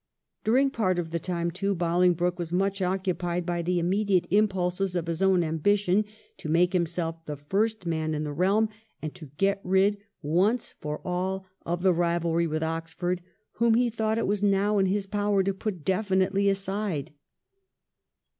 During part of the time, too, Bolingbroke was much occupied by the immediate impulses of his own ambition to make himself the first man in the realm, and to get rid once for all of the rivalry with Oxford, whom he thought it was now in his power to put definitely aside.